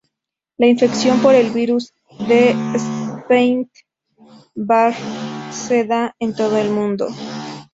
La infección por el virus de Epstein-Barr se da en todo el mundo.